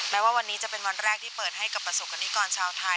ว่าวันนี้จะเป็นวันแรกที่เปิดให้กับประสบกรณิกรชาวไทย